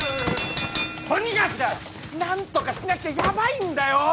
とにかくだ何とかしなきゃヤバいんだよ！